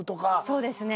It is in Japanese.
そうですね。